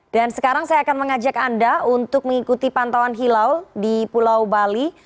dan sekarang saya akan mengajak anda untuk mengikuti pantauan hilau di pulau bali